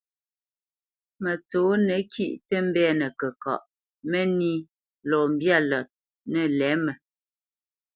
Mətsǒnə kîʼ tə mbɛ́nə kəkaʼ, mə́nī lɔ mbyâ lət nə̂ lɛ̌mə.